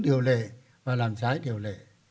điều lệ và làm trái điều lệ